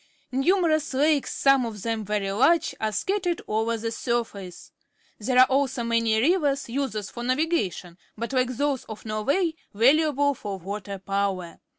Numerous lakes, some of them very large, are scattered over the surface. There are also many rivers, usele.ss for na\agation, but, jike those of Norwayj^_yaluable for water power.